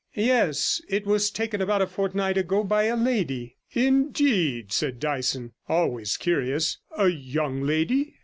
'Yes; it was taken about a fortnight ago by a lady.' 'Indeed,' said Dyson, always curious; 'a young lady?'